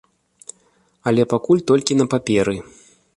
Але пакуль толькі на паперы.